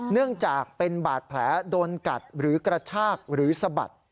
เนื่องจากเป็นบาดแผลโดนกัดหรือกระชากหรือสะบัด